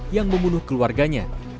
yang membunuh keluarganya